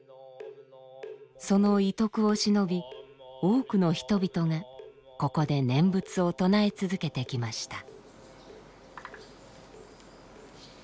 その遺徳をしのび多くの人々がここで念仏を唱え続けてきました。